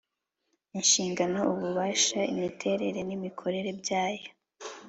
inshingano ububasha imiterere n imikorere byayo